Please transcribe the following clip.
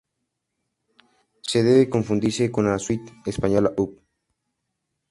No debe confundirse con la "Suite española Op.